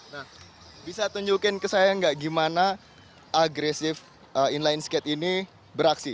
nah bisa tunjukin ke saya nggak gimana agresif inline skate ini beraksi